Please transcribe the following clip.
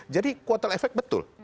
jadi total efek betul